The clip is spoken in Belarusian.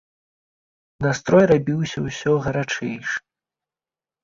Настрой рабіўся ўсё гарачэйшы.